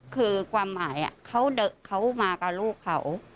คือความหมายเขาเดอะเขามากับลูกเขา